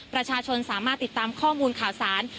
ประชาชนสามารถติดตามข้อมูลข่าวสาร